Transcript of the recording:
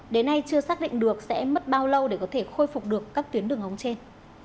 đến nay chưa xác định được sẽ mất bao lâu để có thể khôi phục được các tuyến đường ống trên